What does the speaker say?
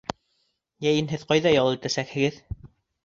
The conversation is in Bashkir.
Йәйен һеҙ ҡайҙа ял итәсәкһегеҙ?